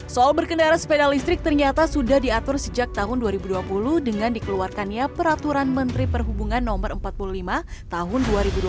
soal berkendara sepeda listrik ternyata sudah diatur sejak tahun dua ribu dua puluh dengan dikeluarkannya peraturan menteri perhubungan no empat puluh lima tahun dua ribu dua puluh